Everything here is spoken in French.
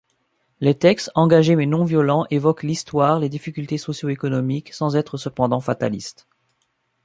Les textes, engagés mais non-violents, évoquent l'histoire, les difficultés socio-économiques, sans être cependant fatalistes.